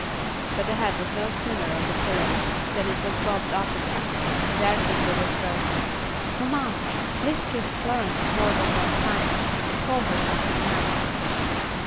But the head was no sooner on the pillow than it was bobbed up again, and there came the whisper, "Mamma, please kiss Florence more than one time, and call her something nice."